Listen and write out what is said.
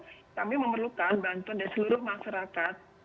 kami memerlukan bantuan dari seluruh masyarakat